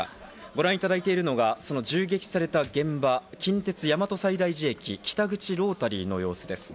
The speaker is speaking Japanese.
ご覧いただいているのが銃撃された現場、近鉄・大和西大寺駅、北口ロータリーの様子です。